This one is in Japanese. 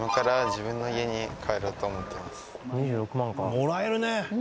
もらえるね